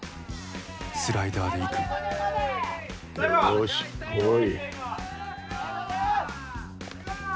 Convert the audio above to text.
スライダーでいくよしこい